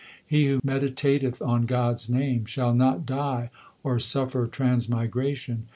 He who meditateth on God s name Shall not die or suffer transmigration.